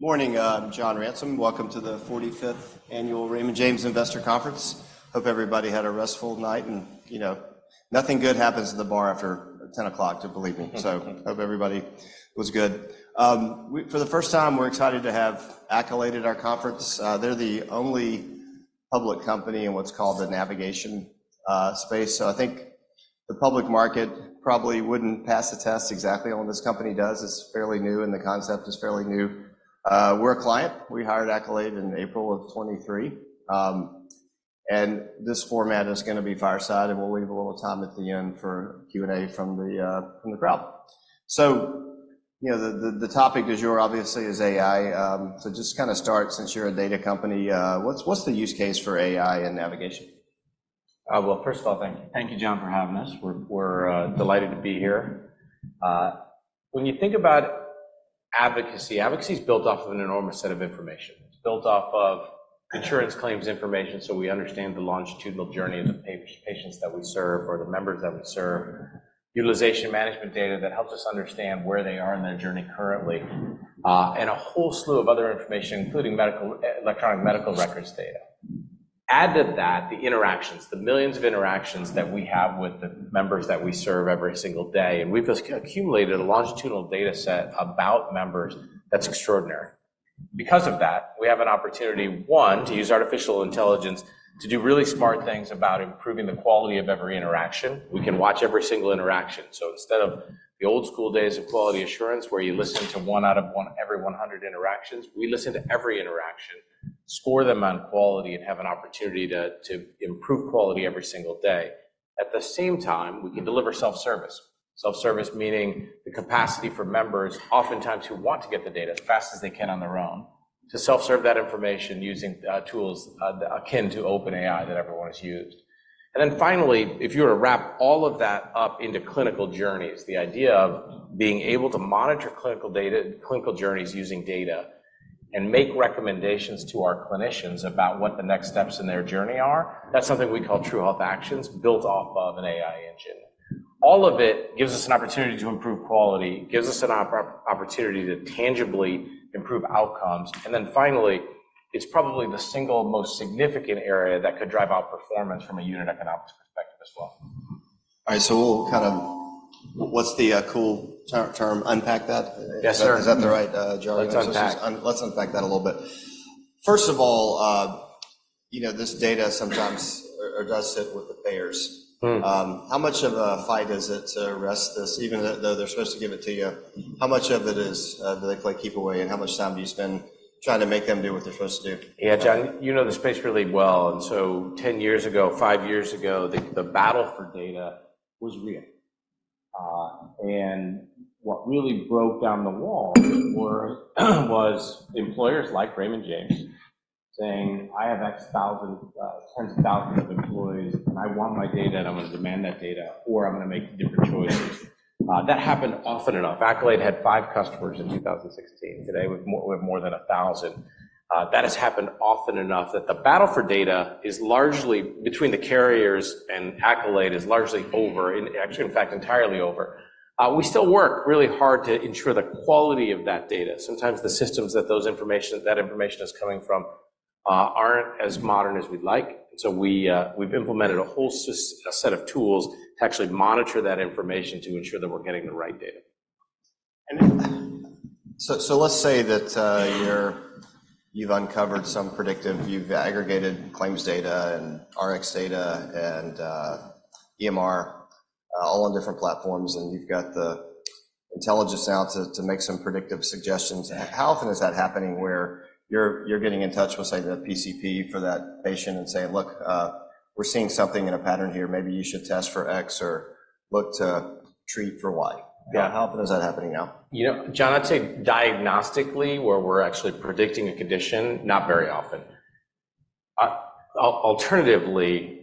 Morning, John Ransom. Welcome to the 45th annual Raymond James Investor Conference. Hope everybody had a restful night and, you know, nothing good happens at the bar after 10 o'clock, believe me. So hope everybody was good. For the first time, we're excited to have Accolade at our conference. They're the only public company in what's called the navigation space. So I think the public market probably wouldn't pass the test exactly on what this company does. It's fairly new, and the concept is fairly new. We're a client. We hired Accolade in April of 2023. And this format is going to be fireside, and we'll leave a little time at the end for Q&A from the crowd. So, you know, the topic as yours obviously is AI. So just to kind of start, since you're a data company, what's the use case for AI and navigation? Well, first of all, thank you. Thank you, John, for having us. We're delighted to be here. When you think about advocacy, advocacy is built off of an enormous set of information. It's built off of insurance claims information so we understand the longitudinal journey of the patients that we serve or the members that we serve, utilization management data that helps us understand where they are in their journey currently, and a whole slew of other information, including electronic medical records data. Add to that the interactions, the millions of interactions that we have with the members that we serve every single day. And we've accumulated a longitudinal data set about members that's extraordinary. Because of that, we have an opportunity, one, to use artificial intelligence to do really smart things about improving the quality of every interaction. We can watch every single interaction. So instead of the old-school days of quality assurance where you listen to 1 out of every 100 interactions, we listen to every interaction, score them on quality, and have an opportunity to improve quality every single day. At the same time, we can deliver self-service. Self-service meaning the capacity for members, oftentimes who want to get the data as fast as they can on their own, to self-serve that information using tools akin to OpenAI that everyone has used. And then finally, if you were to wrap all of that up into clinical journeys, the idea of being able to monitor clinical data and clinical journeys using data and make recommendations to our clinicians about what the next steps in their journey are, that's something we call true health actions built off of an AI engine. All of it gives us an opportunity to improve quality, gives us an opportunity to tangibly improve outcomes. And then finally, it's probably the single most significant area that could drive out performance from a unit economics perspective as well. All right. So we'll kind of (what's the cool term?) unpack that? Yes, sir. Is that the right jargon? Let's unpack that. Let's unpack that a little bit. First of all, you know, this data sometimes or does sit with the payers. How much of a fight is it to arrest this, even though they're supposed to give it to you? How much of it is do they play keep away, and how much time do you spend trying to make them do what they're supposed to do? Yeah, John, you know the space really well. And so 10 years ago, 5 years ago, the battle for data was real. And what really broke down the wall was employers like Raymond James saying, "I have X thousand, tens of thousands of employees, and I want my data, and I'm going to demand that data, or I'm going to make different choices." That happened often enough. Accolade had 5 customers in 2016. Today we have more than 1,000. That has happened often enough that the battle for data is largely between the carriers and Accolade is largely over, actually, in fact, entirely over. We still work really hard to ensure the quality of that data. Sometimes the systems that that information is coming from aren't as modern as we'd like. So we've implemented a whole set of tools to actually monitor that information to ensure that we're getting the right data. So let's say that you've uncovered some predictive you've aggregated claims data and Rx data and EMR all on different platforms, and you've got the intelligence now to make some predictive suggestions. How often is that happening where you're getting in touch with, say, the PCP for that patient and saying, "Look, we're seeing something in a pattern here. Maybe you should test for X or look to treat for Y"? How often is that happening now? You know, John, I'd say diagnostically where we're actually predicting a condition, not very often. Alternatively,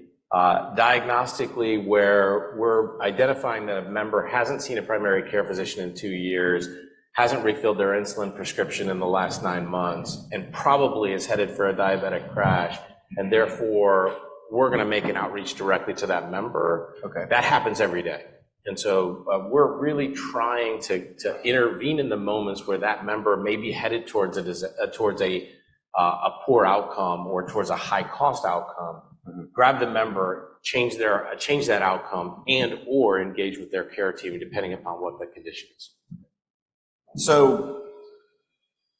diagnostically where we're identifying that a member hasn't seen a primary care physician in 2 years, hasn't refilled their insulin prescription in the last 9 months, and probably is headed for a diabetic crash, and therefore we're going to make an outreach directly to that member. That happens every day. And so we're really trying to intervene in the moments where that member may be headed towards a poor outcome or towards a high-cost outcome, grab the member, change that outcome, and/or engage with their care team, depending upon what the condition is. So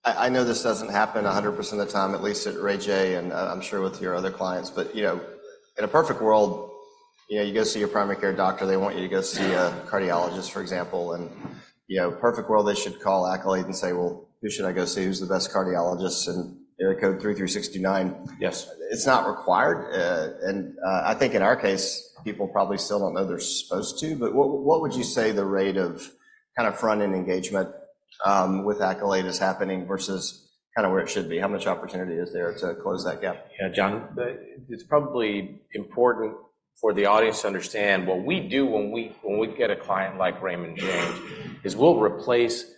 I know this doesn't happen 100% of the time, at least at Rajeev, and I'm sure with your other clients. But you know, in a perfect world, you go see your primary care doctor. They want you to go see a cardiologist, for example. And you know, perfect world, they should call Accolade and say, "Well, who should I go see? Who's the best cardiologist?" And area code 3369. It's not required. And I think in our case, people probably still don't know they're supposed to. But what would you say the rate of kind of front-end engagement with Accolade is happening versus kind of where it should be? How much opportunity is there to close that gap? Yeah, John, it's probably important for the audience to understand what we do when we get a client like Raymond James is we'll replace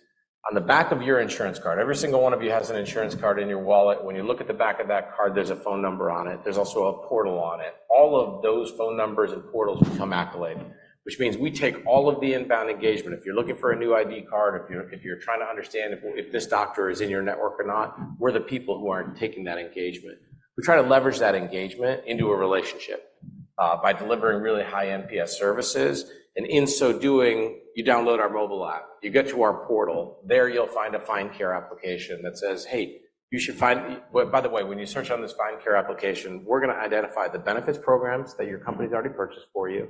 on the back of your insurance card. Every single one of you has an insurance card in your wallet. When you look at the back of that card, there's a phone number on it. There's also a portal on it. All of those phone numbers and portals become Accolade, which means we take all of the inbound engagement. If you're looking for a new ID card, if you're trying to understand if this doctor is in your network or not, we're the people who aren't taking that engagement. We try to leverage that engagement into a relationship by delivering really high NPS services. And in so doing, you download our mobile app. You get to our portal. There you'll find a Find Care application that says, "Hey, you should find by the way, when you search on this Find Care application, we're going to identify the benefits programs that your company has already purchased for you,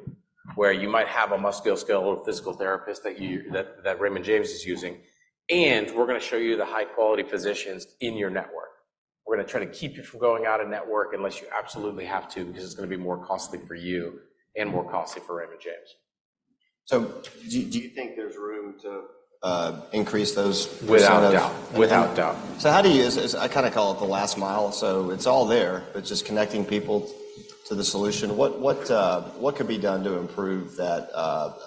where you might have a musculoskeletal physical therapist that Raymond James is using. And we're going to show you the high-quality physicians in your network. We're going to try to keep you from going out of network unless you absolutely have to, because it's going to be more costly for you and more costly for Raymond James. Do you think there's room to increase those? Without doubt. Without doubt. So, how do you, I kind of call it, the last mile. So it's all there, but just connecting people to the solution. What could be done to improve that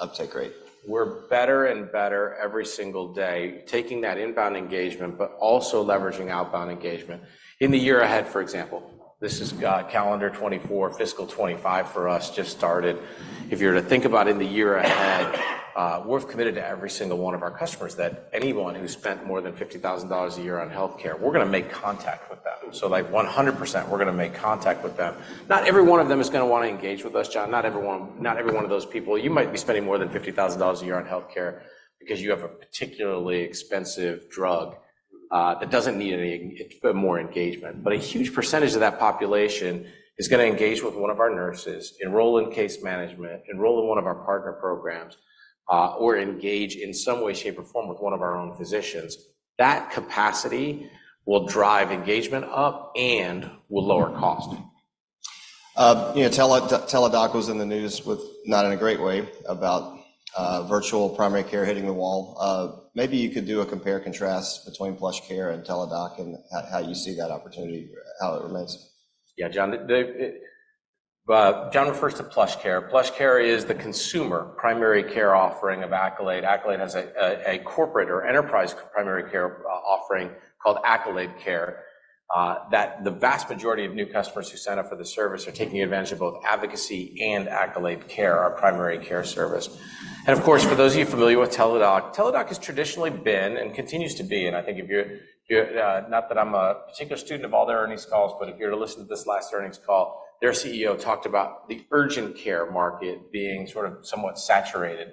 uptake rate? We're better and better every single day taking that inbound engagement, but also leveraging outbound engagement. In the year ahead, for example, this is calendar 2024, fiscal 2025 for us just started. If you were to think about in the year ahead, we're committed to every single one of our customers that anyone who spent more than $50,000 a year on healthcare, we're going to make contact with them. So like 100%, we're going to make contact with them. Not every one of them is going to want to engage with us, John. Not every one of those people. You might be spending more than $50,000 a year on healthcare because you have a particularly expensive drug that doesn't need any more engagement. But a huge percentage of that population is going to engage with one of our nurses, enroll in case management, enroll in one of our partner programs, or engage in some way, shape, or form with one of our own physicians. That capacity will drive engagement up and will lower cost. You know, Teladoc was in the news with not in a great way about virtual primary care hitting the wall. Maybe you could do a compare-contrast between PlushCare and Teladoc and how you see that opportunity, how it remains. Yeah, John. John refers to PlushCare. PlushCare is the consumer primary care offering of Accolade. Accolade has a corporate or enterprise primary care offering called Accolade Care that the vast majority of new customers who sign up for the service are taking advantage of both advocacy and Accolade Care, our primary care service. And of course, for those of you familiar with Teladoc, Teladoc has traditionally been and continues to be. And I think if you're not that I'm a particular student of all their earnings calls, but if you were to listen to this last earnings call, their CEO talked about the urgent care market being sort of somewhat saturated.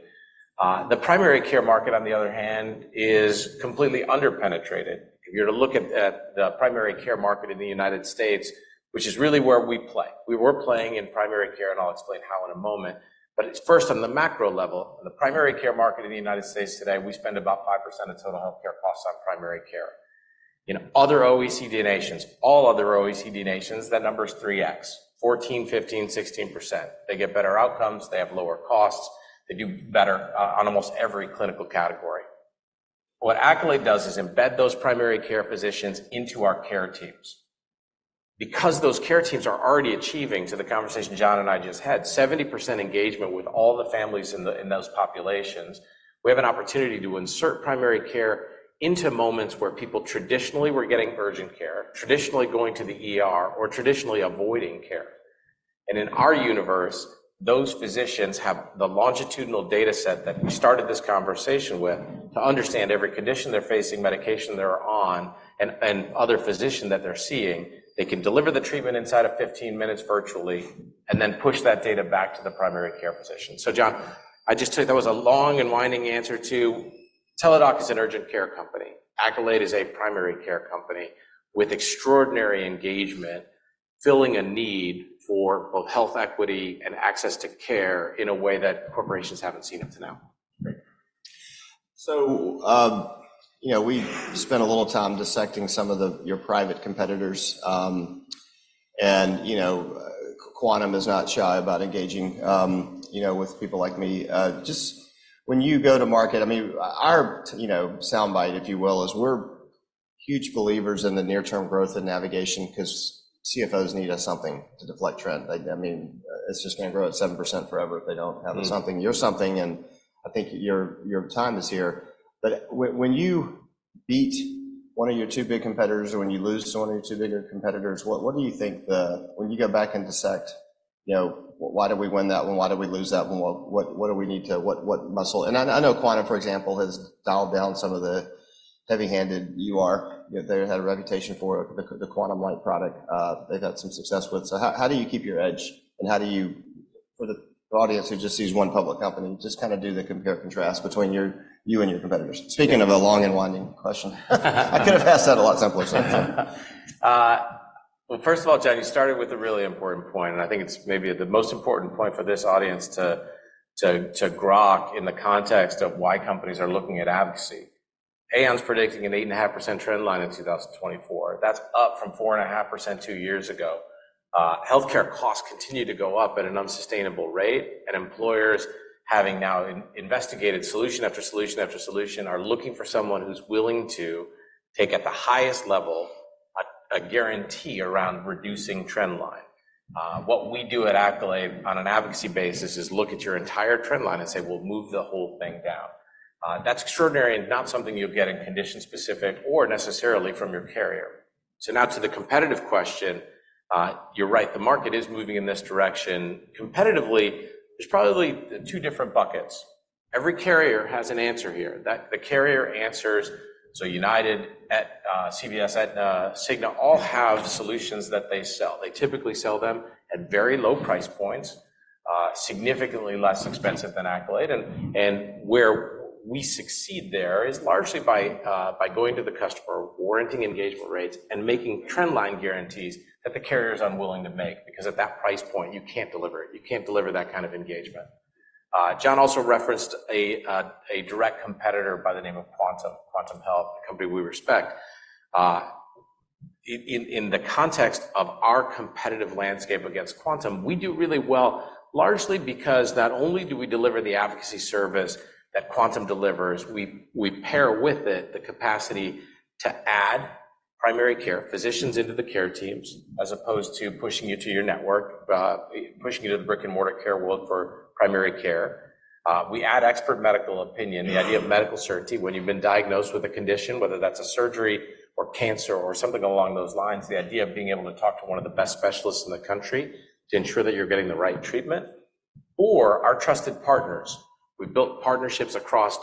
The primary care market, on the other hand, is completely underpenetrated. If you were to look at the primary care market in the United States, which is really where we play. We were playing in primary care, and I'll explain how in a moment. But first, on the macro level, in the primary care market in the United States today, we spend about 5% of total healthcare costs on primary care. In other OECD nations, all other OECD nations, that number is 3x, 14%-16%. They get better outcomes. They have lower costs. They do better on almost every clinical category. What Accolade does is embed those primary care physicians into our care teams. Because those care teams are already achieving, to the conversation John and I just had, 70% engagement with all the families in those populations, we have an opportunity to insert primary care into moments where people traditionally were getting urgent care, traditionally going to the ER or traditionally avoiding care. In our universe, those physicians have the longitudinal data set that we started this conversation with to understand every condition they're facing, medication they're on, and other physician that they're seeing. They can deliver the treatment inside of 15 minutes virtually and then push that data back to the primary care physician. So John, I just took that was a long and winding answer to Teladoc is an urgent care company. Accolade is a primary care company with extraordinary engagement, filling a need for both health equity and access to care in a way that corporations haven't seen up to now. Great. So you know we've spent a little time dissecting some of your private competitors. And you know Quantum is not shy about engaging you know with people like me. Just when you go to market, I mean, our soundbite, if you will, is we're huge believers in the near-term growth and navigation because CFOs need us something to deflect trend. I mean, it's just going to grow at 7% forever if they don't have us something. You're something. And I think your time is here. But when you beat one of your two big competitors or when you lose to one of your two bigger competitors, what do you think the when you go back and dissect, you know why did we win that one? Why did we lose that one? What do we need to what muscle? And I know Quantum, for example, has dialed down some of the heavy-handed UR. They had a reputation for the Quantum-like product they've had some success with. So how do you keep your edge? And how do you, for the audience who just sees one public company, just kind of do the compare-contrast between you and your competitors? Speaking of a long and winding question, I could have asked that a lot simpler. Well, first of all, John, you started with a really important point. And I think it's maybe the most important point for this audience to grok in the context of why companies are looking at advocacy. Aon's predicting an 8.5% trend line in 2024. That's up from 4.5% two years ago. Healthcare costs continue to go up at an unsustainable rate. And employers having now investigated solution after solution after solution are looking for someone who's willing to take at the highest level a guarantee around reducing trend line. What we do at Accolade on an advocacy basis is look at your entire trend line and say, "We'll move the whole thing down." That's extraordinary and not something you'll get in condition-specific or necessarily from your carrier. So now to the competitive question. You're right. The market is moving in this direction. Competitively, there's probably two different buckets. Every carrier has an answer here. The carrier answers. So United, CVS, Aetna, Cigna all have solutions that they sell. They typically sell them at very low price points, significantly less expensive than Accolade. And where we succeed there is largely by going to the customer, warranting engagement rates, and making trend line guarantees that the carrier is unwilling to make, because at that price point, you can't deliver it. You can't deliver that kind of engagement. John also referenced a direct competitor by the name of Quantum Health, a company we respect. In the context of our competitive landscape against Quantum, we do really well, largely because not only do we deliver the advocacy service that Quantum delivers, we pair with it the capacity to add primary care physicians into the care teams as opposed to pushing you to your network, pushing you to the brick-and-mortar care world for primary care. We add expert medical opinion, the idea of medical certainty when you've been diagnosed with a condition, whether that's a surgery or cancer or something along those lines, the idea of being able to talk to one of the best specialists in the country to ensure that you're getting the right treatment, or our trusted partners. We've built partnerships across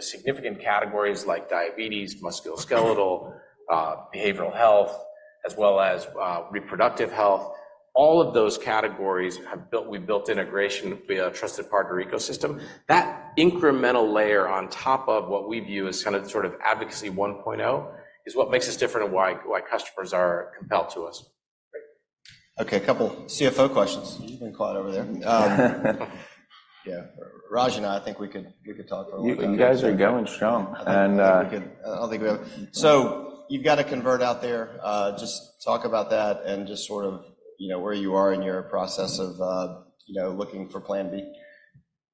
significant categories like diabetes, musculoskeletal, behavioral health, as well as reproductive health. All of those categories have we've built integration via a Trusted Partner Ecosystem. That incremental layer on top of what we view as kind of sort of advocacy 1.0 is what makes us different and why customers are compelled to us. Great. Okay, a couple CFO questions. You've been caught over there. Yeah, Raj and I, I think we could talk for a little bit. You guys are going strong. I don't think we have, so you've got to convert out there. Just talk about that and just sort of where you are in your process of looking for Plan B.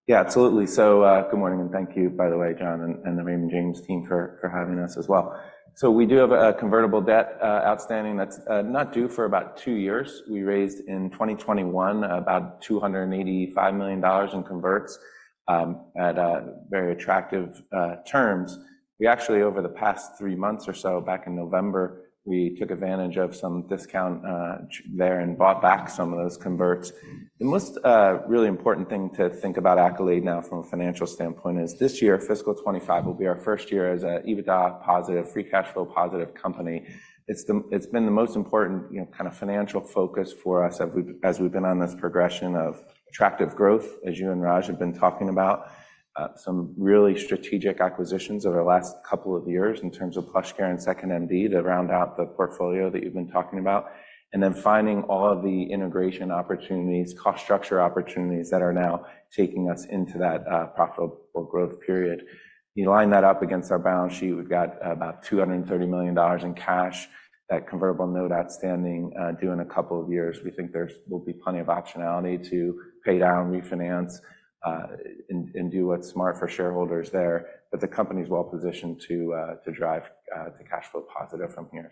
Yeah, absolutely. Good morning. Thank you, by the way, John, and the Raymond James team for having us as well. We do have a convertible debt outstanding that's not due for about 2 years. We raised in 2021 about $285 million in converts at very attractive terms. We actually, over the past 3 months or so, back in November, we took advantage of some discount there and bought back some of those converts. The most really important thing to think about Accolade now from a financial standpoint is this year, fiscal 2025, will be our first year as an EBITDA positive, free cash flow positive company. It's been the most important kind of financial focus for us as we've been on this progression of attractive growth, as you and Raj have been talking about, some really strategic acquisitions over the last couple of years in terms of PlushCare and 2nd.MD to round out the portfolio that you've been talking about, and then finding all of the integration opportunities, cost structure opportunities that are now taking us into that profitable growth period. You line that up against our balance sheet. We've got about $230 million in cash, that convertible note outstanding due in a couple of years. We think there will be plenty of optionality to pay down, refinance, and do what's smart for shareholders there. But the company is well positioned to drive to cash flow positive from here.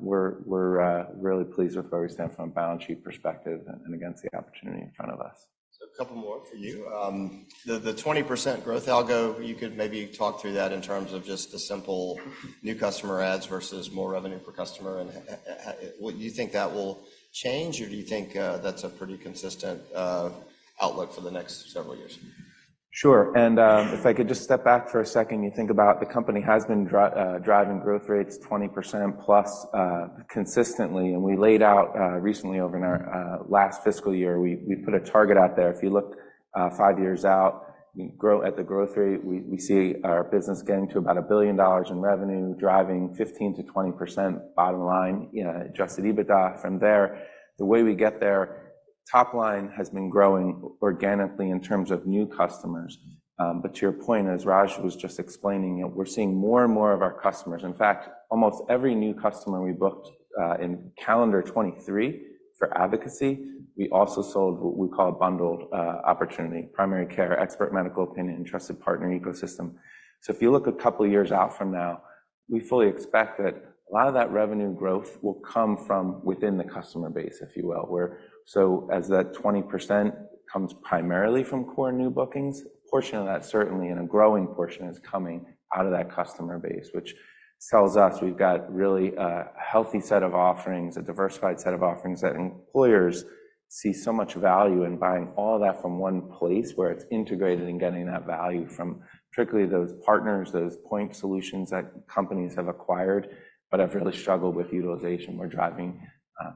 We're really pleased with where we stand from a balance sheet perspective and against the opportunity in front of us. So a couple more for you. The 20% growth algo, you could maybe talk through that in terms of just the simple new customer ads versus more revenue per customer. And do you think that will change, or do you think that's a pretty consistent outlook for the next several years? Sure. If I could just step back for a second and you think about the company has been driving growth rates 20%+ consistently. We laid out recently over our last fiscal year, we put a target out there. If you look 5 years out at the growth rate, we see our business getting to about $1 billion in revenue, driving 15%-20% bottom line, adjusted EBITDA from there. The way we get there, top line has been growing organically in terms of new customers. But to your point, as Raj was just explaining, we're seeing more and more of our customers. In fact, almost every new customer we booked in calendar 2023 for advocacy, we also sold what we call a bundled opportunity: primary care, expert medical opinion, Trusted Partner Ecosystem. So if you look a couple of years out from now, we fully expect that a lot of that revenue growth will come from within the customer base, if you will. So as that 20% comes primarily from core new bookings, a portion of that, certainly, and a growing portion is coming out of that customer base, which tells us we've got really a healthy set of offerings, a diversified set of offerings that employers see so much value in buying all of that from one place where it's integrated and getting that value from strictly those partners, those point solutions that companies have acquired but have really struggled with utilization. We're driving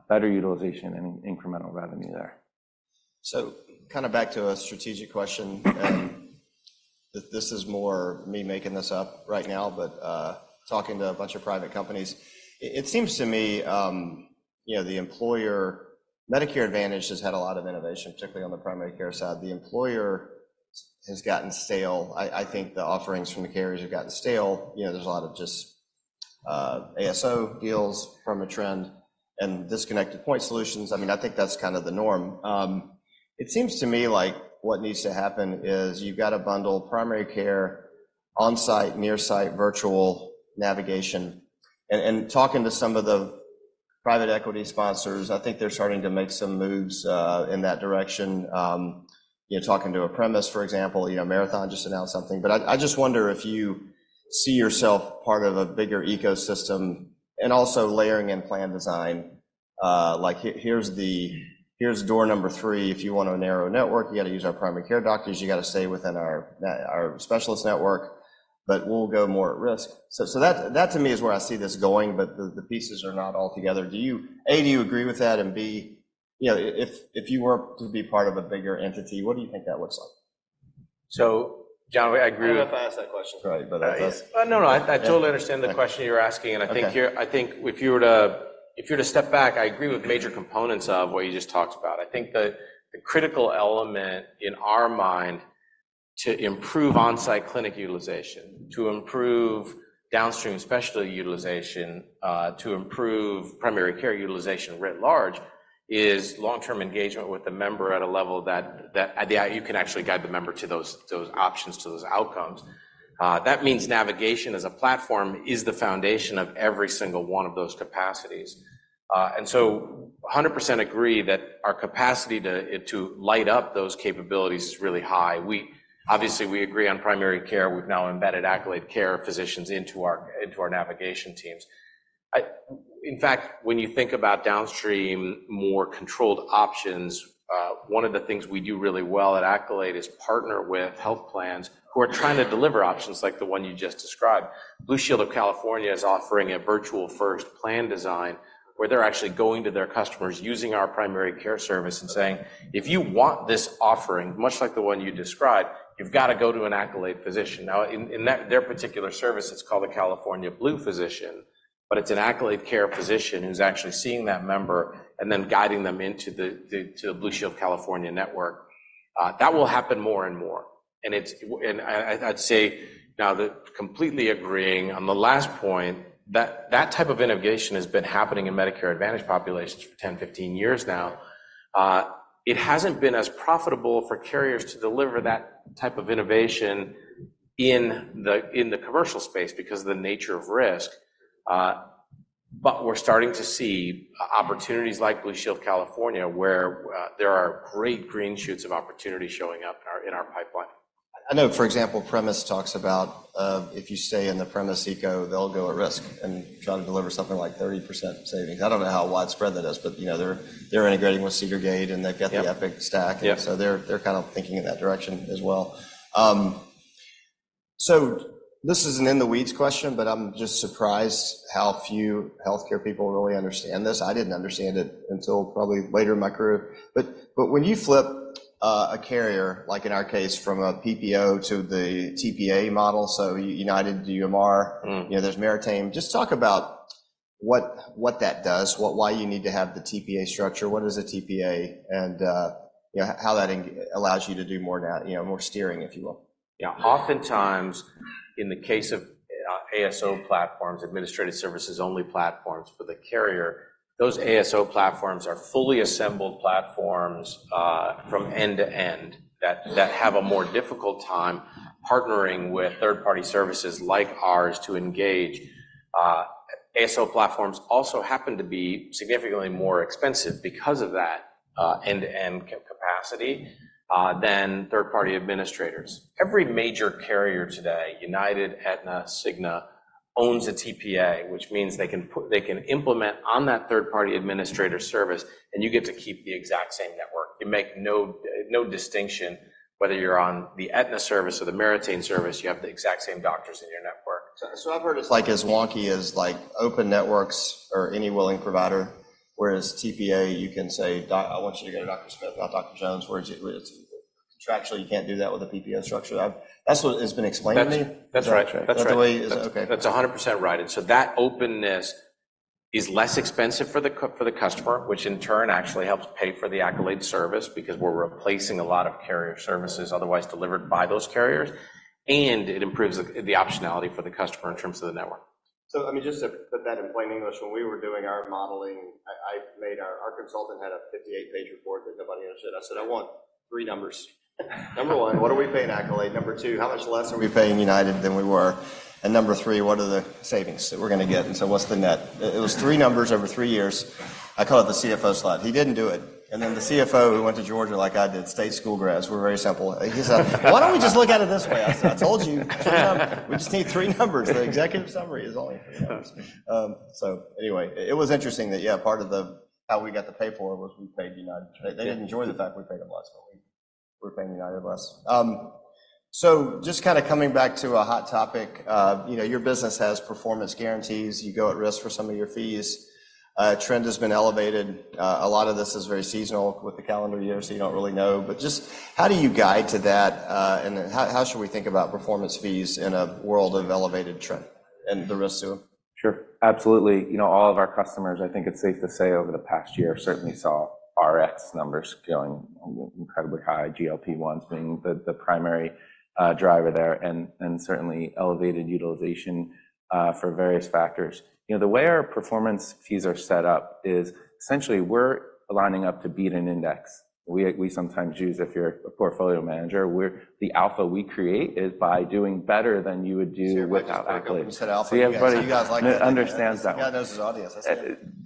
better utilization and incremental revenue there. So kind of back to a strategic question. This is more me making this up right now, but talking to a bunch of private companies. It seems to me the employer Medicare Advantage has had a lot of innovation, particularly on the primary care side. The employer has gotten stale. I think the offerings from the carriers have gotten stale. There's a lot of just ASO deals from a trend and disconnected point solutions. I mean, I think that's kind of the norm. It seems to me like what needs to happen is you've got to bundle primary care, on-site, near-site, virtual navigation. And talking to some of the private equity sponsors, I think they're starting to make some moves in that direction. Talking to Premise, for example, Marathon just announced something. But I just wonder if you see yourself part of a bigger ecosystem and also layering in plan design? Like, here's door number three. If you want to narrow network, you got to use our primary care doctors. You got to stay within our specialist network. But we'll go more at risk. So that, to me, is where I see this going. But the pieces are not all together. A, do you agree with that? And B, if you were to be part of a bigger entity, what do you think that looks like? John, I agree. I don't know if I asked that question. Right. But that's. No, no. I totally understand the question you're asking. I think if you were to step back, I agree with major components of what you just talked about. I think the critical element in our mind to improve on-site clinic utilization, to improve downstream specialty utilization, to improve primary care utilization writ large, is long-term engagement with the member at a level that you can actually guide the member to those options, to those outcomes. That means navigation as a platform is the foundation of every single one of those capacities. So 100% agree that our capacity to light up those capabilities is really high. Obviously, we agree on primary care. We've now embedded Accolade Care physicians into our navigation teams. In fact, when you think about downstream more controlled options, one of the things we do really well at Accolade is partner with health plans who are trying to deliver options like the one you just described. Blue Shield of California is offering a virtual-first plan design where they're actually going to their customers, using our primary care service, and saying, "If you want this offering, much like the one you described, you've got to go to an Accolade physician." Now, in their particular service, it's called a California Blue Physician. But it's an Accolade Care physician who's actually seeing that member and then guiding them into the Blue Shield of California network. That will happen more and more. And I'd say now completely agreeing on the last point, that type of innovation has been happening in Medicare Advantage populations for 10, 15 years now. It hasn't been as profitable for carriers to deliver that type of innovation in the commercial space because of the nature of risk. But we're starting to see opportunities like Blue Shield California where there are great green shoots of opportunity showing up in our pipeline. I know, for example, Premise talks about if you stay in the Premise ecosystem, they'll go at risk and try to deliver something like 30% savings. I don't know how widespread that is. But they're integrating with Cedar Gate, and they've got the Epic stack. And so they're kind of thinking in that direction as well. So this is an in-the-weeds question, but I'm just surprised how few healthcare people really understand this. I didn't understand it until probably later in my career. But when you flip a carrier, like in our case, from a PPO to the TPA model, so United, UMR, there's Meritain, just talk about what that does, why you need to have the TPA structure, what is a TPA, and how that allows you to do more steering, if you will. Yeah. Oftentimes, in the case of ASO platforms, administrative services-only platforms for the carrier, those ASO platforms are fully assembled platforms from end to end that have a more difficult time partnering with third-party services like ours to engage. ASO platforms also happen to be significantly more expensive because of that end-to-end capacity than third-party administrators. Every major carrier today, United, Aetna, Cigna, owns a TPA, which means they can implement on that third-party administrator service, and you get to keep the exact same network. You make no distinction whether you're on the Aetna service or the Meritain service. You have the exact same doctors in your network. I've heard it's as wonky as open networks or any willing provider. Whereas TPA, you can say, "I want you to go to Dr. Smith, not Dr. Jones." Contractually, you can't do that with a PPO structure. That's what has been explained to me. That's right. That's right. That's the way it is. Okay. That's 100% right. And so that openness is less expensive for the customer, which in turn actually helps pay for the Accolade service because we're replacing a lot of carrier services otherwise delivered by those carriers. And it improves the optionality for the customer in terms of the network. So I mean, just to put that in plain English, when we were doing our modeling, our consultant had a 58-page report that nobody understood. I said, "I want three numbers. Number one, what are we paying Accolade? Number two, how much less are we paying United than we were? And number three, what are the savings that we're going to get? And so what's the net?" It was three numbers over three years. I call it the CFO slot. He didn't do it. And then the CFO who went to Georgia like I did, state school grads, we're very simple. He said, "Why don't we just look at it this way?" I said, "I told you we just need three numbers. The executive summary is only three numbers." So anyway, it was interesting that, yeah, part of how we got the pay for it was we paid United. They didn't enjoy the fact we paid them less, but we were paying United less. So just kind of coming back to a hot topic, your business has performance guarantees. You go at risk for some of your fees. Trend has been elevated. A lot of this is very seasonal with the calendar year, so you don't really know. But just how do you guide to that? And how should we think about performance fees in a world of elevated trend and the risks to them? Sure. Absolutely. All of our customers, I think it's safe to say, over the past year, certainly saw RX numbers going incredibly high, GLP-1s being the primary driver there, and certainly elevated utilization for various factors. The way our performance fees are set up is essentially, we're lining up to beat an index. We sometimes use, if you're a portfolio manager, the alpha we create is by doing better than you would do without Accolade. You said alpha. So you guys like that. It understands that one. Yeah. No, it's just audience. I said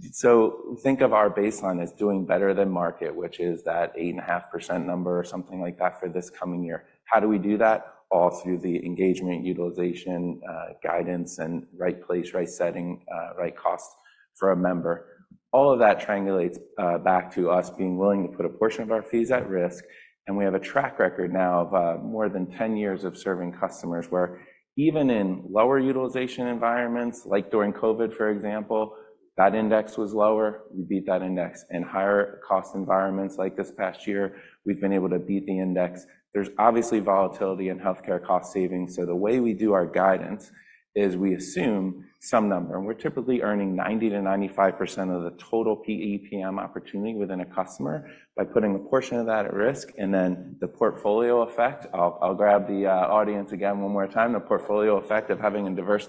it. So think of our baseline as doing better than market, which is that 8.5% number or something like that for this coming year. How do we do that? All through the engagement, utilization, guidance, and right place, right setting, right cost for a member. All of that triangulates back to us being willing to put a portion of our fees at risk. And we have a track record now of more than 10 years of serving customers where, even in lower utilization environments like during COVID, for example, that index was lower. We beat that index. In higher-cost environments like this past year, we've been able to beat the index. There's obviously volatility in healthcare cost savings. So the way we do our guidance is we assume some number. We're typically earning 90%-95% of the total PE/PM opportunity within a customer by putting a portion of that at risk. Then the portfolio effect. I'll grab the audience again one more time. The portfolio effect of having a diverse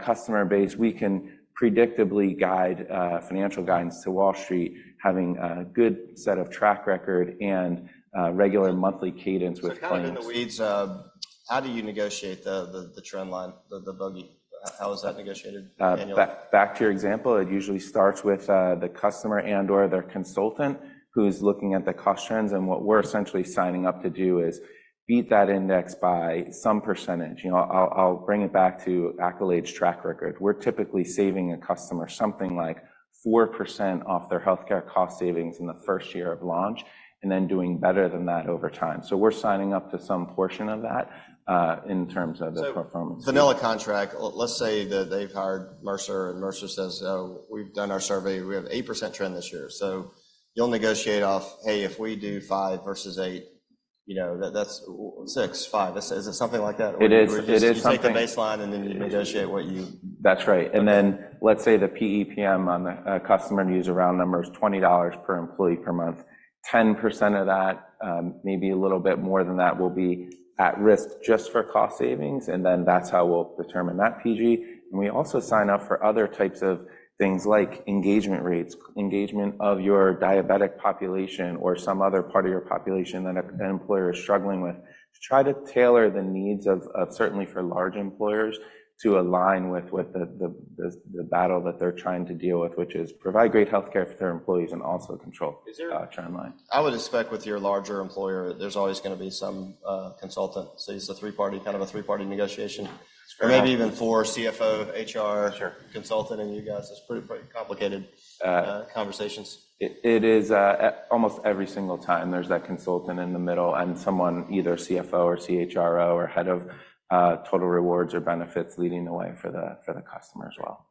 customer base, we can predictably guide financial guidance to Wall Street, having a good set of track record and regular monthly cadence with clients. Kind of in the weeds, how do you negotiate the trend line, the bogey? How is that negotiated, Daniel? Back to your example, it usually starts with the customer and/or their consultant who's looking at the cost trends. What we're essentially signing up to do is beat that index by some percentage. I'll bring it back to Accolade's track record. We're typically saving a customer something like 4% off their healthcare cost savings in the first year of launch and then doing better than that over time. We're signing up to some portion of that in terms of the performance. So vanilla contract. Let's say that they've hired Mercer, and Mercer says, "We've done our survey. We have 8% trend this year." So you'll negotiate off, "Hey, if we do five versus eight, that's 6.5." Is it something like that? It is something. You just take the baseline, and then you negotiate what you. That's right. And then let's say the PE/PM on the customer to use around number is $20 per employee per month. 10% of that, maybe a little bit more than that, will be at risk just for cost savings. And then that's how we'll determine that PG. And we also sign up for other types of things like engagement rates, engagement of your diabetic population or some other part of your population that an employer is struggling with, to try to tailor the needs of, certainly for large employers, to align with the battle that they're trying to deal with, which is provide great healthcare for their employees and also control trend line. I would expect with your larger employer, there's always going to be some consultant. So it's kind of a three-party negotiation. Or maybe even four, CFO, HR consultant, and you guys. It's pretty complicated conversations. It is. Almost every single time, there's that consultant in the middle and someone, either CFO or CHRO or head of total rewards or benefits, leading the way for the customer as well.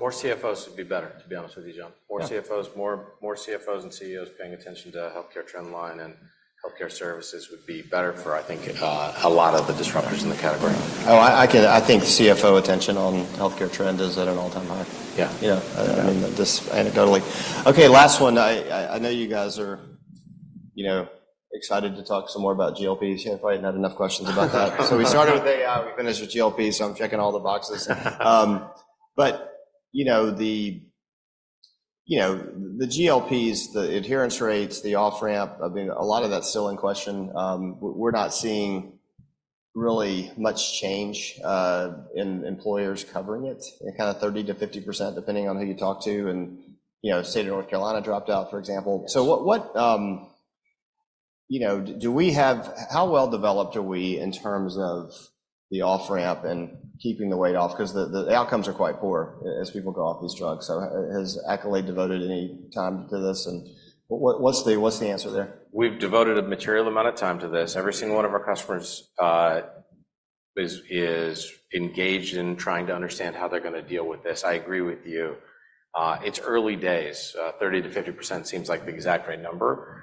More CFOs would be better, to be honest with you, John. More CFOs, more CFOs and CEOs paying attention to healthcare trend line and healthcare services would be better for, I think, a lot of the disruptors in the category. Oh, I think CFO attention on healthcare trend is at an all-time high. I mean, anecdotally. Okay. Last one. I know you guys are excited to talk some more about GLPs. You haven't probably had enough questions about that. So we started with AI. We finished with GLPs. I'm checking all the boxes. But the GLPs, the adherence rates, the off-ramp, I mean, a lot of that's still in question. We're not seeing really much change in employers covering it, kind of 30%-50%, depending on who you talk to. And State of North Carolina dropped out, for example. So do we have how well developed are we in terms of the off-ramp and keeping the weight off? Because the outcomes are quite poor as people go off these drugs. So has Accolade devoted any time to this? And what's the answer there? We've devoted a material amount of time to this. Ever seen one of our customers is engaged in trying to understand how they're going to deal with this? I agree with you. It's early days. 30%-50% seems like the exact right number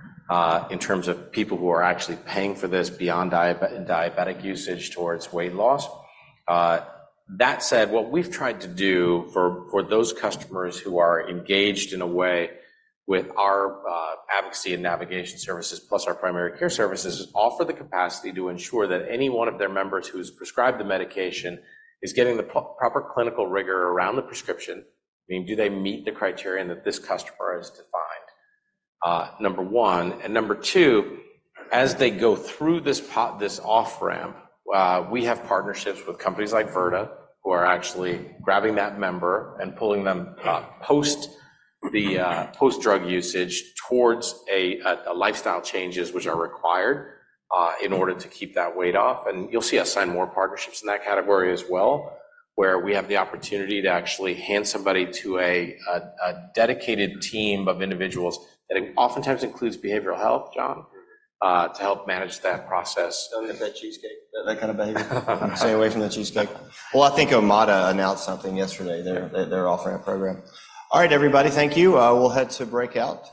in terms of people who are actually paying for this beyond diabetic usage towards weight loss. That said, what we've tried to do for those customers who are engaged in a way with our advocacy and navigation services, plus our primary care services, is offer the capacity to ensure that any one of their members who's prescribed the medication is getting the proper clinical rigor around the prescription. I mean, do they meet the criteria that this customer is defined, number one? And number two, as they go through this off-ramp, we have partnerships with companies like Virta who are actually grabbing that member and pulling them post-drug usage towards lifestyle changes, which are required in order to keep that weight off. And you'll see us sign more partnerships in that category as well, where we have the opportunity to actually hand somebody to a dedicated team of individuals that oftentimes includes behavioral health, John, to help manage that process. Don't eat that cheesecake, that kind of behavior. Stay away from the cheesecake. Well, I think Omada announced something yesterday, their off-ramp program. All right, everybody. Thank you. We'll head to breakout.